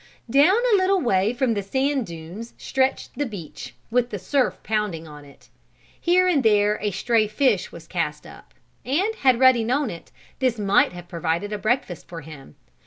Down a little way from the sand dunes stretched the beach, with the surf pounding on it. Here and there a stray fish was cast up, and, had Ruddy known it, this might have provided a breakfast for him.